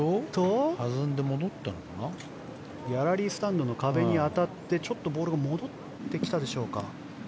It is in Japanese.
ギャラリースタンドの壁に当たってボールが戻ってきたでしょうか。